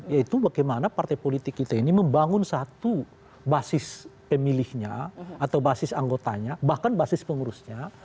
yaitu bagaimana partai politik kita ini membangun satu basis pemilihnya atau basis anggotanya bahkan basis pengurusnya